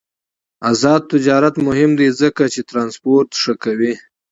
آزاد تجارت مهم دی ځکه چې ترانسپورت ښه کوي.